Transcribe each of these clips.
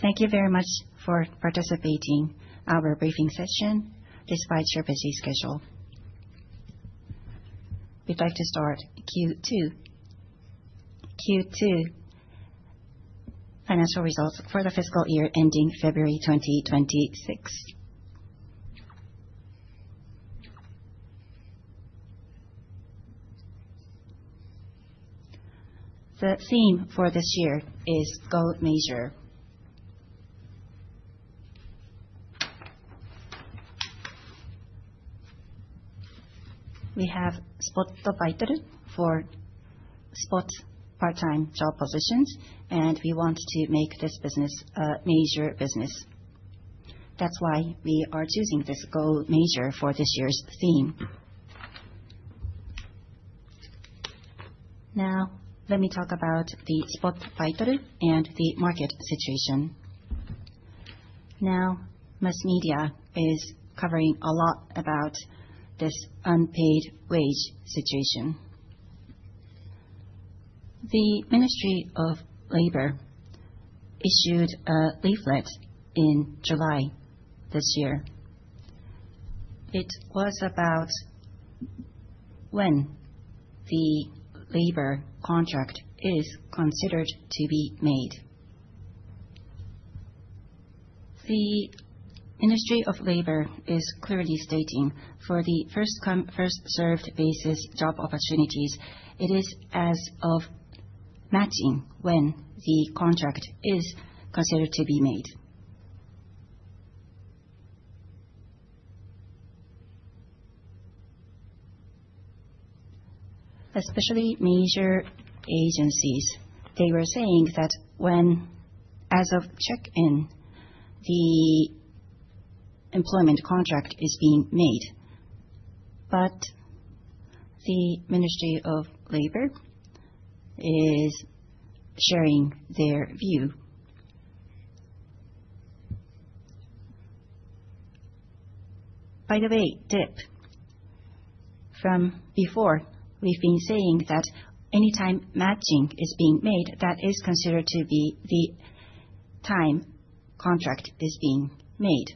Thank you very much for participating our briefing session despite your busy schedule. We'd like to start Q2. Q2 financial results for the fiscal year ending February 2026. The theme for this year is GO MAJOR. We have Spot Baitoru for spot part-time job positions, and we want to make this business a major business. That's why we are choosing this GO MAJOR for this year's theme. Now let me talk about the Spot Baitoru and the market situation. Mass media is covering a lot about this unpaid wage situation. The Ministry of Labor issued a leaflet in July this year. It was about when the labor contract is considered to be made. The Ministry of Labor is clearly stating for the first come, first served basis job opportunities, it is as of matching when the contract is considered to be made. Especially major agencies, they were saying that when as of check-in, the employment contract is being made, but the Ministry of Labour is sharing their view. By the way, DIP, from before we've been saying that any time matching is being made, that is considered to be the time contract is being made.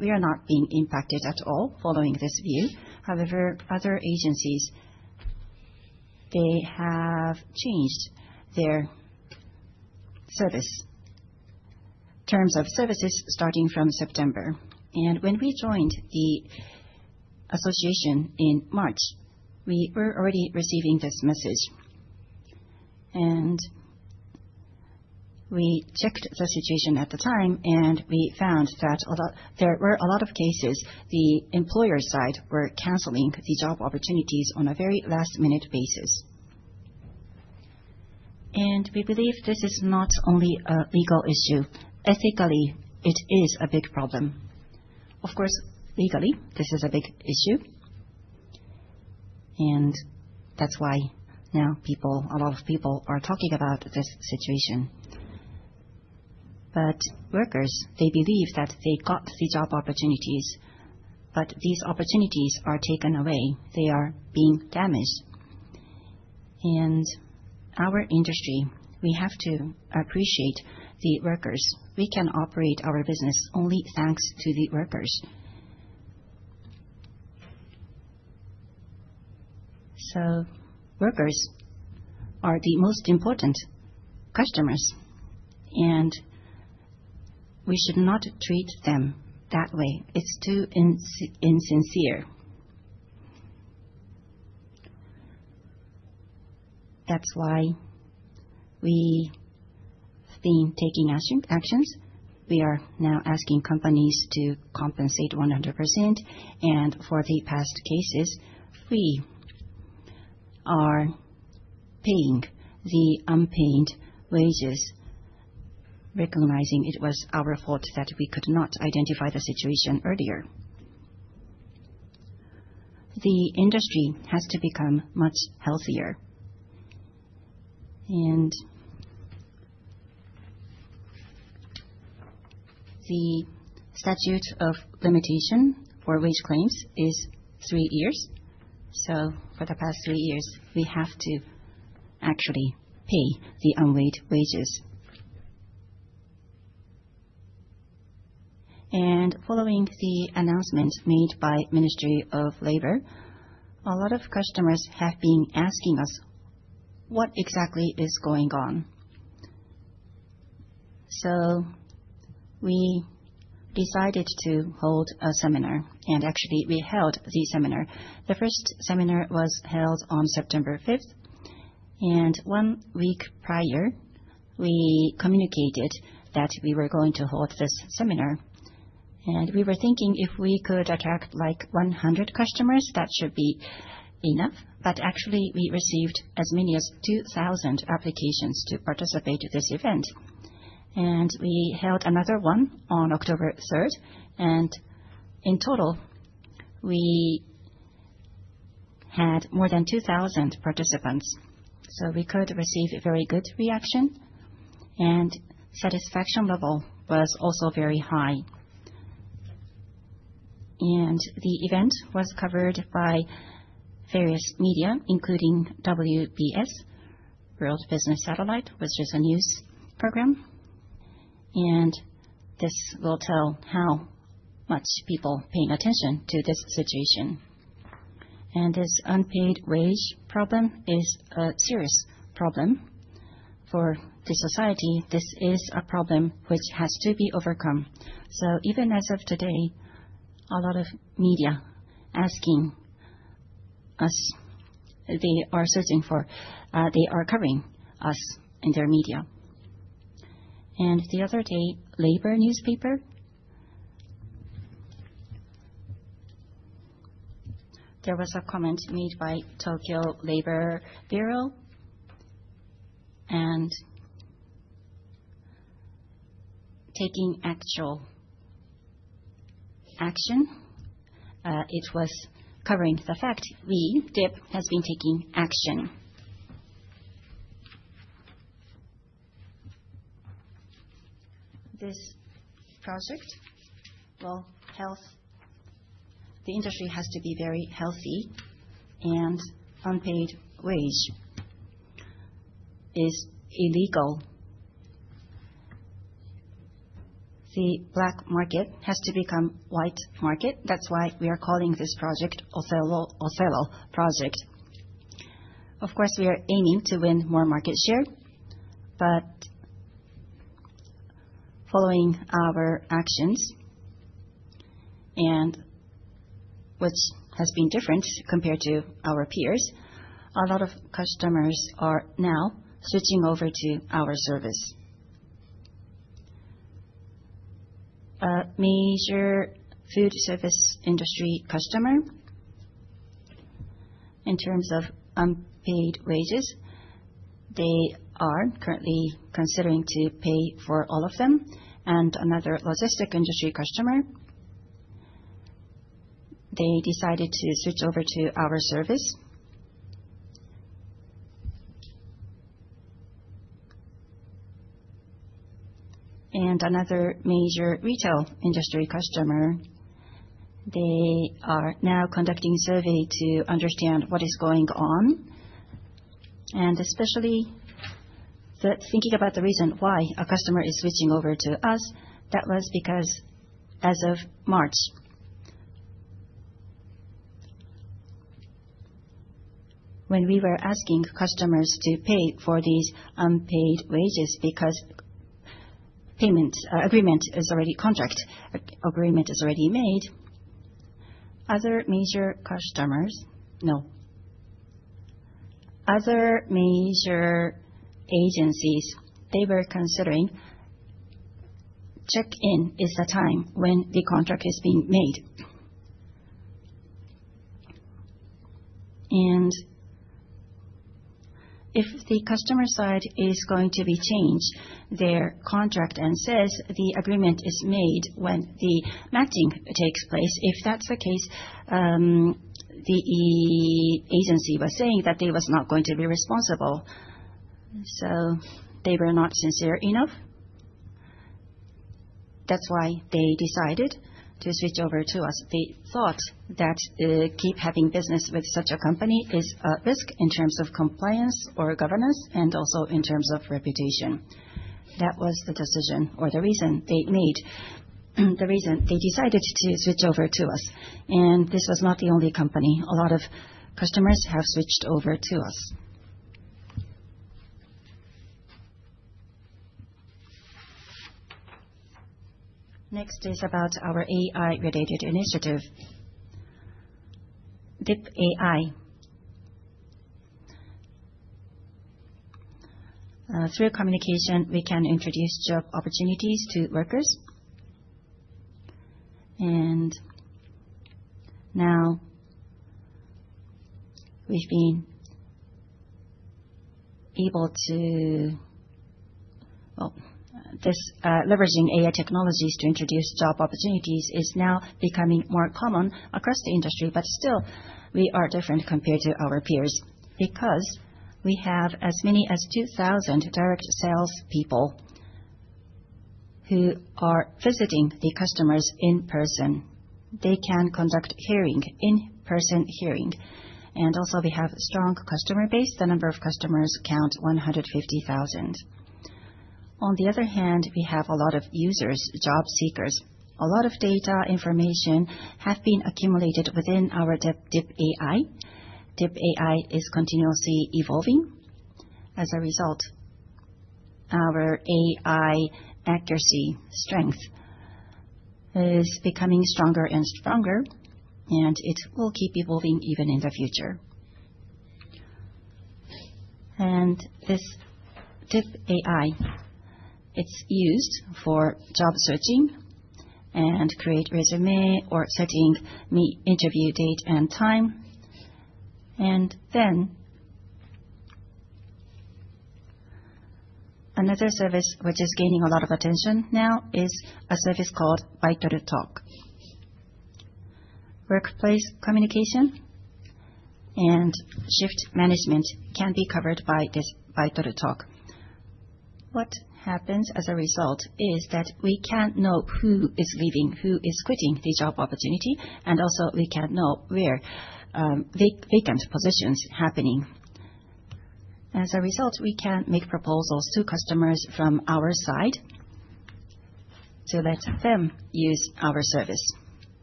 We are not being impacted at all following this view. However, other agencies, they have changed their service, terms of services starting from September. When we joined the association in March, we were already receiving this message. We checked the situation at the time, and we found that there were a lot of cases the employer side were canceling the job opportunities on a very last-minute basis. We believe this is not only a legal issue. Ethically, it is a big problem. Of course, legally, this is a big issue, that's why now a lot of people are talking about this situation. Workers, they believe that they got the job opportunities, but these opportunities are taken away. They are being damaged. Our industry, we have to appreciate the workers. We can operate our business only thanks to the workers. Workers are the most important customers, and we should not treat them that way. It's too insincere. That's why we have been taking actions. We are now asking companies to compensate 100%. For the past cases, we are paying the unpaid wages, recognizing it was our fault that we could not identify the situation earlier. The industry has to become much healthier. The statute of limitation for wage claims is three years. For the past three years, we have to actually pay the unpaid wages. Following the announcement made by Ministry of Labour, a lot of customers have been asking us, "What exactly is going on?". We decided to hold a seminar, and actually we held the seminar. The first seminar was held on September 5th, and one week prior, we communicated that we were going to hold this seminar. We were thinking if we could attract like 100 customers, that should be enough. Actually, we received as many as 2,000 applications to participate in this event. We held another one on October 3rd, and in total, we had more than 2,000 participants. We could receive a very good reaction, and satisfaction level was also very high. The event was covered by various media, including WBS, World Business Satellite, which is a news program. This will tell how much people paying attention to this situation. This unpaid wage problem is a serious problem for the society. This is a problem which has to be overcome. Even as of today, a lot of media asking us, they are searching for, they are covering us in their media. The other day, labor newspaper, there was a comment made by Tokyo Labour Bureau and taking actual action. It was covering the fact we, DIP, has been taking action. This project will help. The industry has to be very healthy, and unpaid wage is illegal. The black market has to become white market. That's why we are calling this Othello Project. Of course, we are aiming to win more market share, but following our actions and which has been different compared to our peers, a lot of customers are now switching over to our service. A major food service industry customer, in terms of unpaid wages, they are currently considering to pay for all of them. Another logistic industry customer, they decided to switch over to our service. Another major retail industry customer, they are now conducting survey to understand what is going on. Especially, thinking about the reason why a customer is switching over to us, that was because as of March, when we were asking customers to pay for these unpaid wages because payment agreement is already made. Other major customers, no. Other major agencies, they were considering check-in is the time when the contract is being made. If the customer side is going to be changed their contract and says the agreement is made when the matching takes place, if that's the case, the agency was saying that they was not going to be responsible. They were not sincere enough. That's why they decided to switch over to us. They thought that, keep having business with such a company is a risk in terms of compliance or governance, and also in terms of reputation. That was the decision or the reason they made, the reason they decided to switch over to us. This was not the only company. A lot of customers have switched over to us. Next is about our AI-related initiative, dip AI. Through communication, we can introduce job opportunities to workers. Now we've been able to well. This leveraging AI technologies to introduce job opportunities is now becoming more common across the industry. Still, we are different compared to our peers because we have as many as 2,000 direct sales people who are visiting the customers in person. They can conduct hearing, in-person hearing. Also we have strong customer base. The number of customers count 150,000. On the other hand, we have a lot of users, job seekers. A lot of data information have been accumulated within our dip AI. dip AI is continuously evolving. As a result, our AI accuracy strength is becoming stronger and stronger, and it will keep evolving even in the future. This dip AI, it's used for job searching and create resume or setting me interview date and time. Another service which is gaining a lot of attention now is a service called Baitoru talk. Workplace communication and shift management can be covered by this Baitoru talk. What happens as a result is that we can't know who is leaving, who is quitting the job opportunity, and also we can't know where vacant positions happening. As a result, we can't make proposals to customers from our side to let them use our service,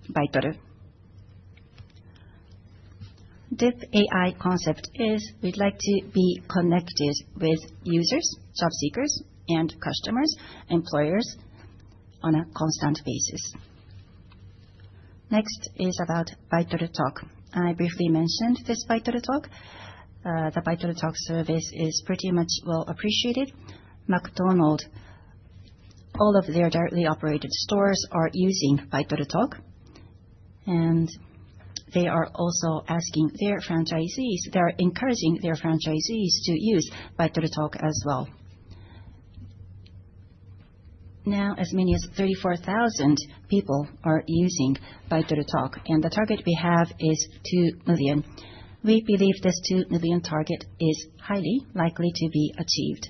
Baitoru talk. This AI concept is we'd like to be connected with users, job seekers, and customers, employers on a constant basis. Next is about Baitoru talk. I briefly mentioned this Baitoru talk. The Baitoru talk service is pretty much well appreciated. McDonald's, all of their directly operated stores are using Baitoru talk, and they are also asking their franchisees, they are encouraging their franchisees to use Baitoru talk as well. Now, as many as 34,000 people are using Baitoru talk, and the target we have is 2 million. We believe this 2 million target is highly likely to be achieved.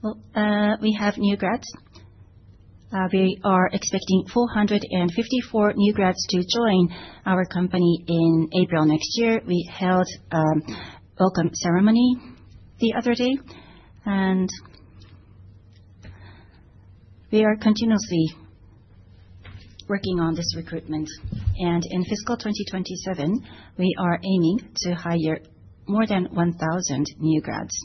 Well, we have new grads. We are expecting 454 new grads to join our company in April next year. We held a welcome ceremony the other day, and we are continuously working on this recruitment. In fiscal 2027, we are aiming to hire more than 1,000 new grads.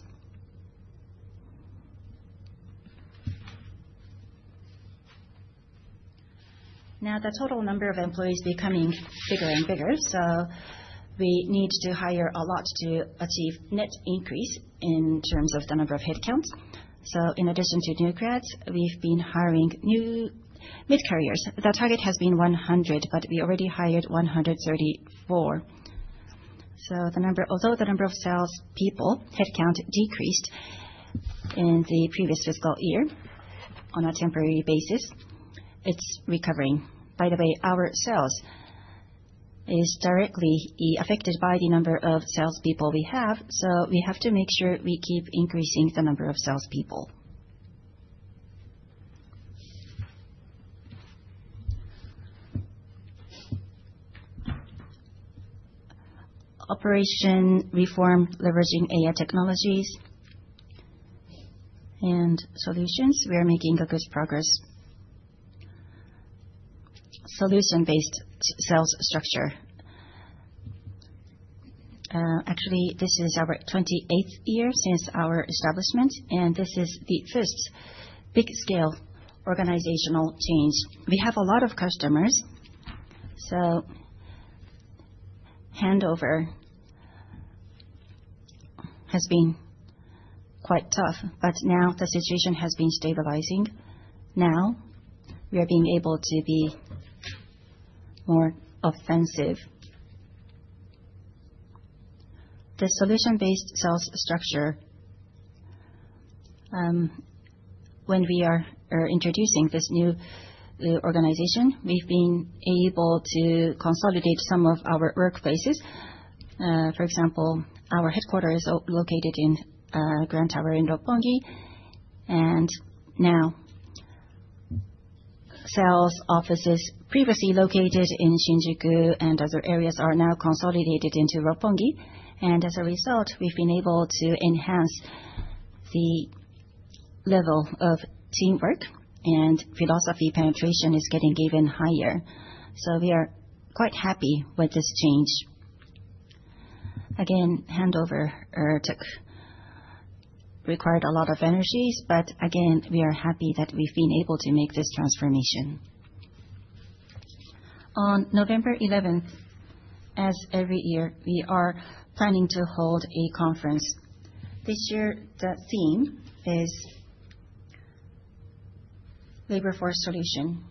Now, the total number of employees becoming bigger and bigger, so we need to hire a lot to achieve net increase in terms of the number of headcounts. In addition to new grads, we've been hiring new mid-career. The target has been 100, but we already hired 134. Although the number of salespeople, headcount decreased in the previous fiscal year on a temporary basis, it's recovering. By the way, our sales is directly affected by the number of salespeople we have, so we have to make sure we keep increasing the number of salespeople. Operation reform leveraging AI technologies and solutions, we are making a good progress. Solution-based sales structure. Actually, this is our 28th year since our establishment, and this is the first big scale organizational change. We have a lot of customers, so handover has been quite tough, but now the situation has been stabilizing. Now, we are being able to be more offensive. The solution-based sales structure, when we are introducing this new organization, we've been able to consolidate some of our work bases. For example, our headquarters located in Grand Tower in Roppongi. Now sales offices previously located in Shinjuku and other areas are now consolidated into Roppongi. As a result, we've been able to enhance the level of teamwork. Philosophy penetration is getting even higher. We are quite happy with this change. Handover required a lot of energies. We are happy that we've been able to make this transformation. On November 11th, as every year, we are planning to hold a conference. This year, the theme is Labor Force Solution.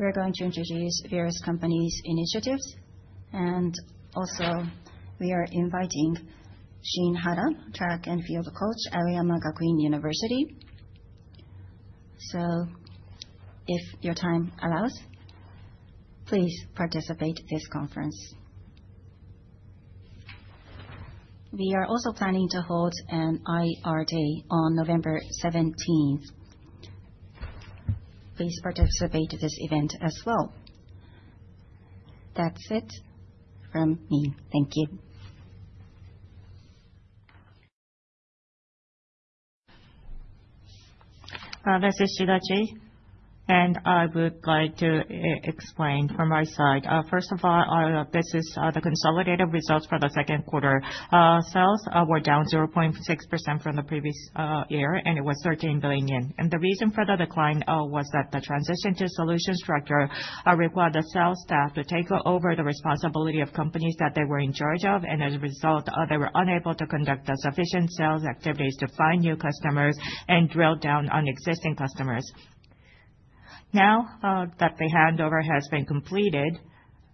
We are going to introduce various companies' initiatives. We are inviting Susumu Hara, track and field coach, Aoyama Gakuin University. If your time allows, please participate this conference. We are also planning to hold an IR Day on November 17th. Please participate this event as well. That's it from me. Thank you. This is Shidachi, I would like to explain from my side. First of all, this is the consolidated results for the second quarter. Sales were down 0.6% from the previous year, it was 13 billion yen. The reason for the decline was that the transition to solution structure required the sales staff to take over the responsibility of companies that they were in charge of. As a result, they were unable to conduct the sufficient sales activities to find new customers and drill down on existing customers. Now that the handover has been completed,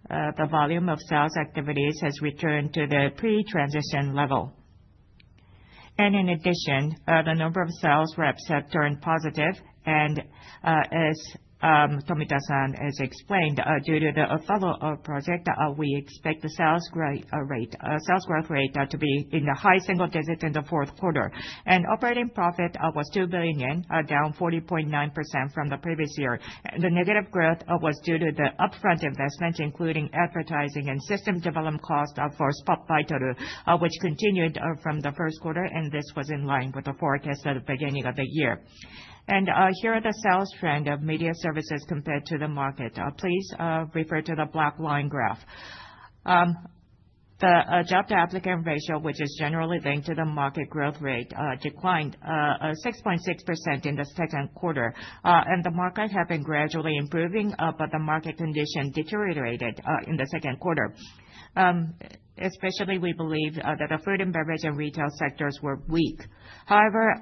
the volume of sales activities has returned to the pre-transition level. In addition, the number of sales reps have turned positive, and as Tomita-san has explained, due to the Othello Project, we expect the sales growth rate to be in the high single digits in the fourth quarter. Operating profit was 2 billion yen, down 40.9% from the previous year. The negative growth was due to the upfront investment, including advertising and system development cost, for Spot Baitoru, which continued from the first quarter, and this was in line with the forecast at the beginning of the year. Here are the sales trend of media services compared to the market. Please refer to the black line graph. The job applicant ratio, which is generally linked to the market growth rate, declined 6.6% in the second quarter. The market had been gradually improving, but the market condition deteriorated in the second quarter. Especially, we believe that the food and beverage and retail sectors were weak. However,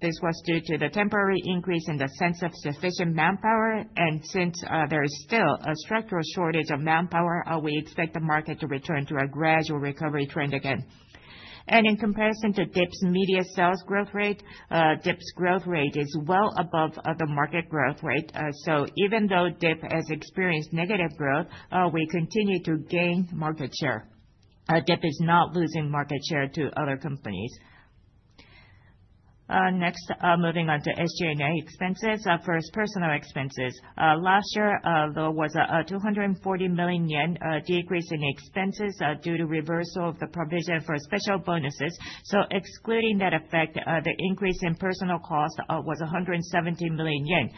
this was due to the temporary increase in the sense of sufficient manpower, and since there is still a structural shortage of manpower, we expect the market to return to a gradual recovery trend again. In comparison to DIP's media sales growth rate, DIP's growth rate is well above the market growth rate. Even though DIP has experienced negative growth, we continue to gain market share. DIP is not losing market share to other companies. Moving on to SG&A expenses. First, personal expenses. Last year, there was a 240 million yen decrease in expenses due to reversal of the provision for special bonuses. Excluding that effect, the increase in personal costs was 170 million yen,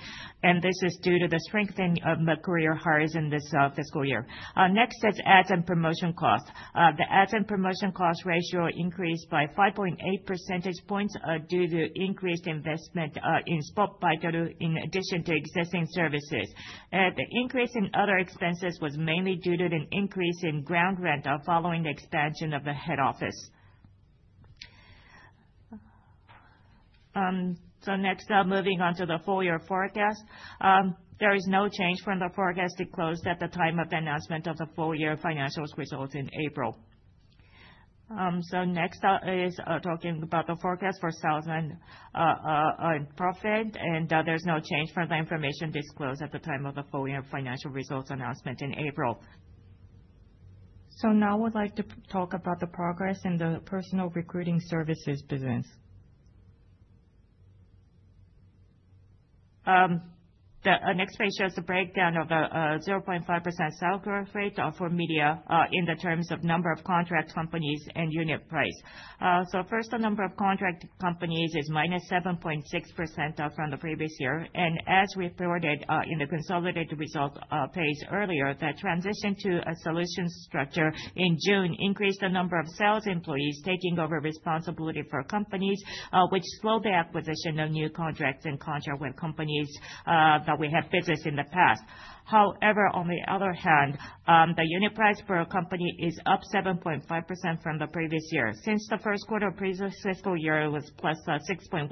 and this is due to the strengthening of mid-career hires in this fiscal year. Next is ads and promotion costs. The ads and promotion cost ratio increased by 5.8 percentage points due to increased investment in Spot Baitoru in addition to existing services. The increase in other expenses was mainly due to an increase in ground rent following the expansion of the head office. Moving on to the full-year forecast. There is no change from the forecast disclosed at the time of the announcement of the full-year financial results in April. Next is talking about the forecast for sales and profit, and there's no change from the information disclosed at the time of the full-year financial results announcement in April. Now I'd like to talk about the progress in the personal recruiting services business. The next page shows the breakdown of the 0.5% sales growth rate for media in the terms of number of contract companies and unit price. First, the number of contract companies is -7.6% from the previous year. As reported in the consolidated results page earlier, the transition to a solutions structure in June increased the number of sales employees taking over responsibility for companies, which slowed the acquisition of new contracts and contract with companies that we had business in the past. However, on the other hand, the unit price per company is up 7.5% from the previous year. Since the first quarter of previous fiscal year was +6.1%,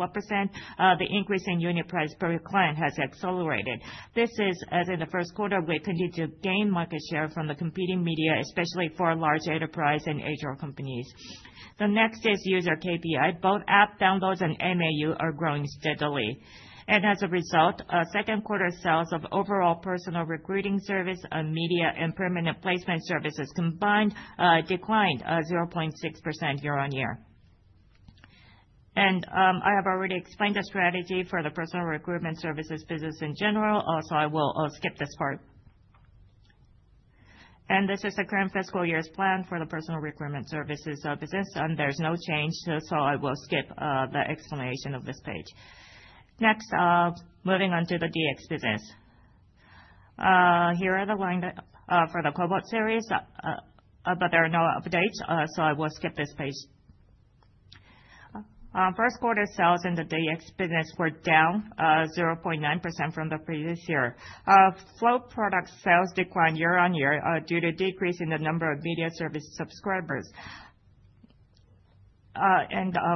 the increase in unit price per client has accelerated. This is as in the first quarter, we continue to gain market share from the competing media, especially for large enterprise and HR companies. Next is user KPI. Both app downloads and MAU are growing steadily. As a result, second quarter sales of overall personal recruiting service media and permanent placement services combined declined 0.6% year-on-year. I have already explained the strategy for the personal recruitment services business in general, so I will skip this part. This is the current fiscal year's plan for the personal recruitment services business, and there is no change, so I will skip the explanation of this page. Next, moving on to the DX business. Here are the line that for the KOBOT series, but there are no updates, so I will skip this page. First quarter sales in the DX business were down 0.9% from the previous year. Flow product sales declined year-on-year due to decrease in the number of media service subscribers.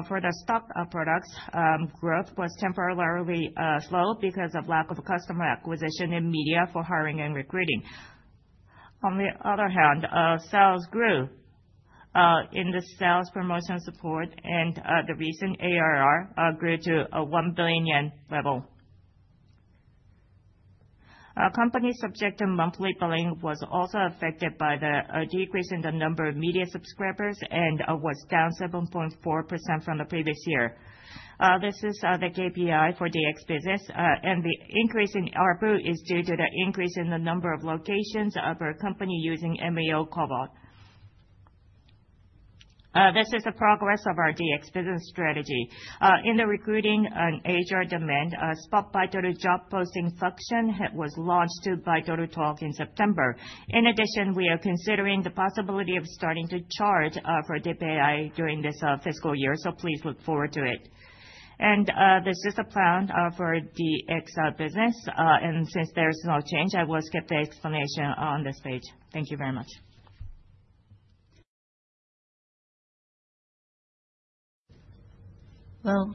For the stock products, growth was temporarily slow because of lack of customer acquisition in media for hiring and recruiting. On the other hand, sales grew in the sales promotion support, and the recent ARR grew to a 1 billion yen level. Companies subjected to monthly billing was also affected by the decrease in the number of media subscribers and was down 7.4% from the previous year. This is the KPI for DX business, and the increase in ARPU is due to the increase in the number of locations of our company using MEO KOBOT. This is the progress of our DX business strategy. In the recruiting and HR demand, Spot Baitoru job posting function was launched through Baitoru talk in September. In addition, we are considering the possibility of starting to charge for dip AI during this fiscal year, so please look forward to it. This is the plan for DX business. Since there is no change, I will skip the explanation on this page. Thank you very much. Well,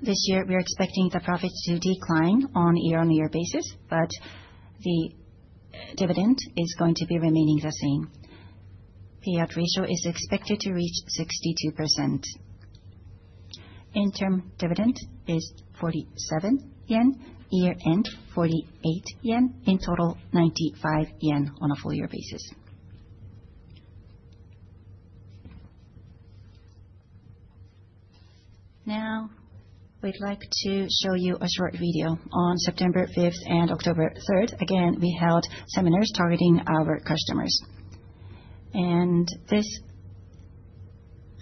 this year we are expecting the profits to decline on a year-on-year basis, but the dividend is going to be remaining the same. Payout ratio is expected to reach 62%. Interim dividend is 47 yen, year-end 48 yen. In total, 95 yen on a full year basis. We'd like to show you a short video. On September 5th and October 3rd, again, we held seminars targeting our customers. This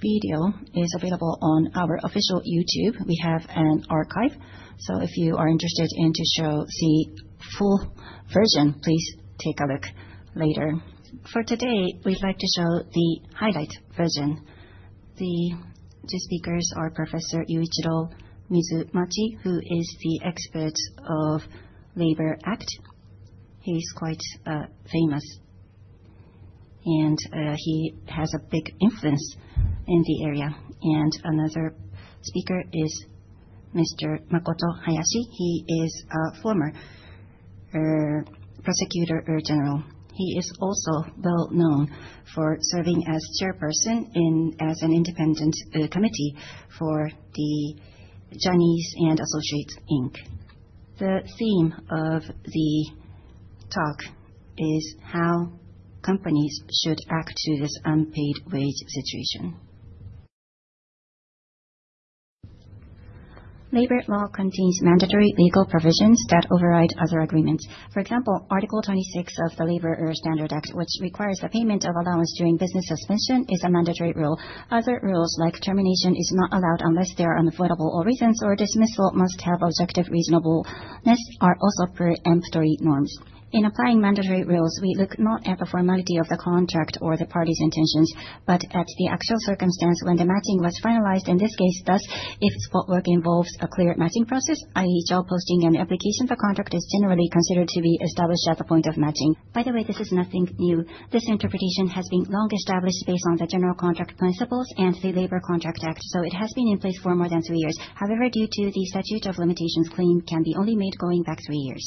video is available on our official YouTube. We have an archive, so if you are interested in to show the full version, please take a look later. For today, we'd like to show the highlight version. The two speakers are Professor Yuichiro Mizumachi, who is the expert of Labor Standards Act. He's quite famous and he has a big influence in the area. Another speaker is Mr. Makoto Hayashi. He is a former prosecutor general. He is also well-known for serving as chairperson in, as an independent committee for the Johnny & Associates Inc. The theme of the talk is how companies should act to this unpaid wage situation. Labor law contains mandatory legal provisions that override other agreements. For example, Article 26 of the Labor Standards Act, which requires the payment of allowance during business suspension, is a mandatory rule. Other rules like termination is not allowed unless there are unavoidable reasons or dismissal must have objective reasonableness are also peremptory norms. In applying mandatory rules, we look not at the formality of the contract or the parties' intentions, but at the actual circumstance when the matching was finalized in this case. Thus, if spot work involves a clear matching process, i.e. job posting and application, the contract is generally considered to be established at the point of matching. By the way, this is nothing new. This interpretation has been long established based on the general contract principles and the Labour Contract Act, so it has been in place for more than three years. However, due to the statute of limitations, claim can be only made going back three years.